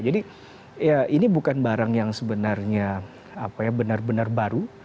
jadi ini bukan barang yang sebenarnya benar benar baru